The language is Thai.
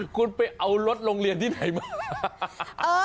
คุณไปเอารถโรงเรียนที่ไหนมา